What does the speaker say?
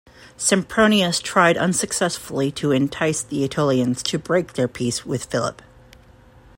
Sempronius tried unsuccessfully to entice the Aetolians to break their peace with Philip.